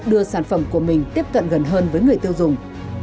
đưa sản phẩm của mình tiếp cận gần hơn với người tiêu dùng